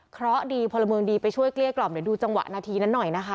เพราะดีพลเมืองดีไปช่วยเกลี้ยกล่อมเดี๋ยวดูจังหวะนาทีนั้นหน่อยนะคะ